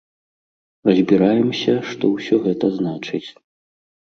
Разбіраемся, што ўсё гэта значыць.